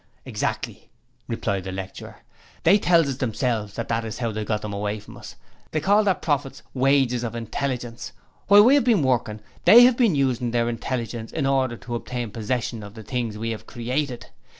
'Exactly,' replied the lecturer. 'They tell us themselves that that is how they got them away from us; they call their profits the "wages of intelligence". Whilst we have been working, they have been using their intelligence in order to obtain possession of the things we have created.